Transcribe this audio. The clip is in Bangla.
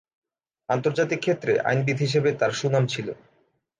আন্তর্জাতিক ক্ষেত্রে আইনবিদ হিসেবে তার সুনাম ছিল।